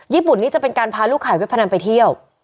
ญี่ปุ่นนี่จะเป็นการพาลูกขายเว็บพนันไปเที่ยว